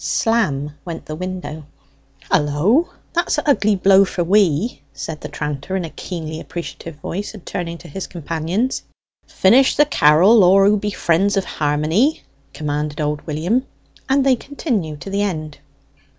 Slam went the window. "Hullo, that's a' ugly blow for we!" said the tranter, in a keenly appreciative voice, and turning to his companions. "Finish the carrel, all who be friends of harmony!" commanded old William; and they continued to the end.